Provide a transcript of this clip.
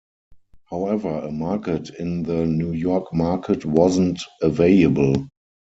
However a market in the New York market wasn't available.